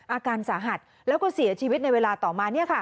อาการสาหัสแล้วก็เสียชีวิตในเวลาต่อมา